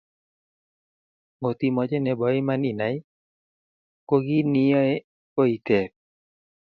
ngot imoche nebo iman inai, ko kiit neiyoe ko iteeb